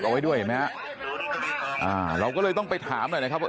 เอาไว้ด้วยเห็นไหมฮะอ่าเราก็เลยต้องไปถามหน่อยนะครับว่า